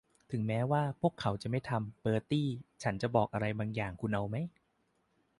ถึงแม้ว่า พวกเขาจะไม่ทำ เบอร์ตี้ ฉันจะบอกอะไรบางอย่างคุณเอาไหม ?